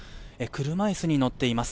車椅子に乗っています。